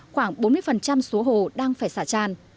khoảng bốn mươi số hồ đang phải xả tràn